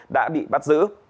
đã bị bắt giữ